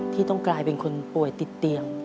ที่ต้องกลายเป็นคนป่วยติดเตียง